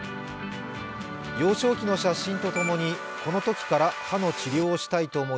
幼少期の写真とともに、このときから歯の治療をしたいと思い